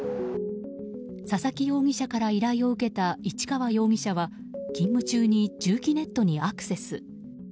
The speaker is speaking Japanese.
佐々木容疑者から依頼を受けた市川容疑者は勤務中に住基ネットにアクセス。